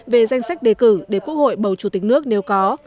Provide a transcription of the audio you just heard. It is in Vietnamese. về danh sách đề cử để quốc hội bầu chủ tịch nước nếu có